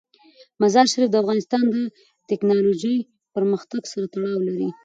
مزارشریف د افغانستان د تکنالوژۍ پرمختګ سره تړاو لري.